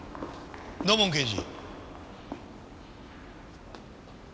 土門刑事。